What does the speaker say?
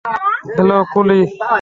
Hello, Koli?